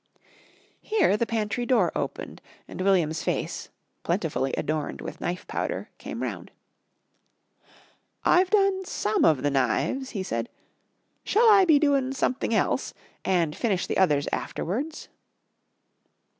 Here the pantry door opened and William's face, plentifully adorned with knife powder came round. "I've done some of the knives," he said, "shall I be doin' something else and finish the others afterwards?"